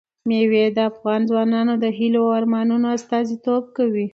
مېوې د افغان ځوانانو د هیلو او ارمانونو استازیتوب کوي.